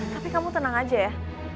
tapi kamu tenang aja ya